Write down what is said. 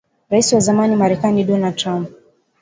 Rais wa zamani Marekani Donald Trump